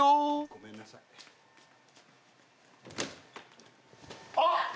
ごめんなさいあっ